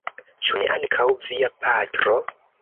Ĉu ne ankaŭ via patro?